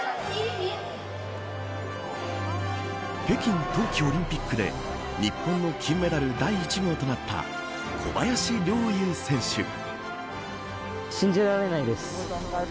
北京冬季オリンピックで日本の金メダル第１号となった小林陵侑選手。